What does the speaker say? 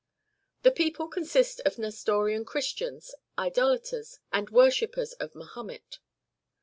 The people consist of Nestorian Christians, Idolaters, and worshippers of Mahommet.